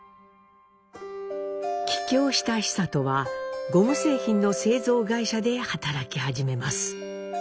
帰郷した久渡はゴム製品の製造会社で働き始めます。